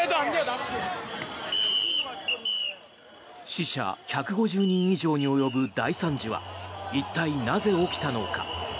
死者１５０人以上に及ぶ大惨事は一体、なぜ起きたのか。